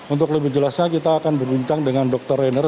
untuk lebih jelasnya kita akan berbincang dengan dr rainer